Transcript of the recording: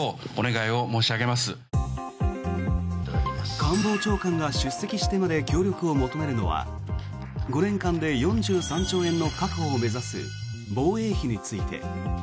官房長官が出席してまで協力を求めるのは５年間で４３兆円の確保を目指す防衛費について。